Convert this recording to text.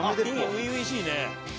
初々しいね。